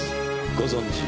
ご存じ